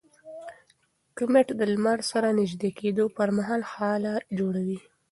کومیټ د لمر سره نژدې کېدو پر مهال هاله جوړوي.